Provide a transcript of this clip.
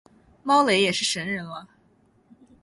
猫雷也是神人了